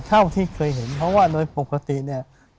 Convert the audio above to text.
เท่าที่เคยเห็นเพราะว่าโดยปกติเนี่ย